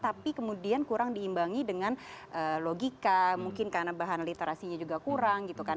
tapi kemudian kurang diimbangi dengan logika mungkin karena bahan literasinya juga kurang gitu kan